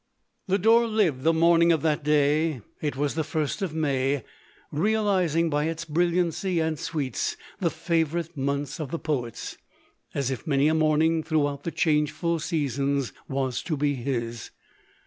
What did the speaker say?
Lodore lived the morning of that day, (it was the first of May, realizing by its brilliancy and sweets, the favourite months of the poets,) as if many a morning throughout the changeful seasons was to be his.